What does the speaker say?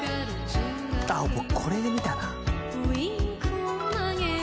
「僕これで見たな」